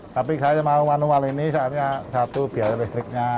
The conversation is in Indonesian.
tapi saya mau manual ini saatnya satu biaya listriknya